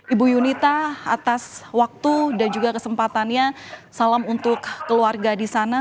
ibu yunita atas waktu dan juga kesempatannya salam untuk keluarga di sana